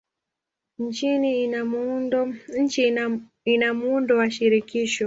Nchi ina muundo wa shirikisho.